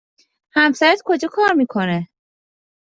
همسرت کجا کار می کند؟